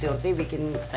kok dia kayak gini